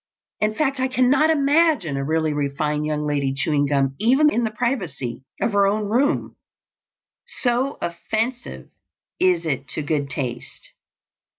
In fact, I cannot imagine a really refined young lady chewing gum even in the privacy of her own room, so offensive is it to good taste.